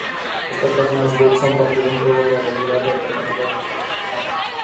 Estas páginas web son parte de un juego de realidad alternativa dentro del programa.